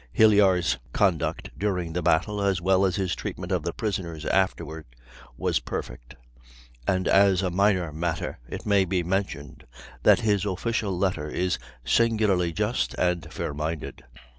Hilyar's conduct during the battle, as well as his treatment of the prisoners afterward, was perfect, and as a minor matter it may be mentioned that his official letter is singularly just and fair minded.